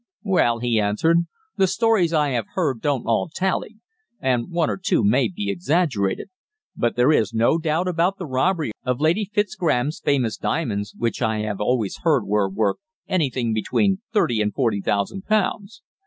"Well," he answered, "the stories I have heard don't all tally, and one or two may be exaggerated. But there is no doubt about the robbery of Lady Fitzgraham's famous diamonds, which I have always heard were worth anything between thirty and forty thousand pounds.